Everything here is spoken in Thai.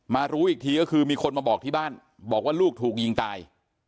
รู้อีกทีก็คือมีคนมาบอกที่บ้านบอกว่าลูกถูกยิงตาย